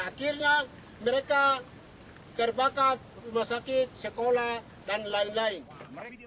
akhirnya mereka terbakat rumah sakit sekolah dan lain lain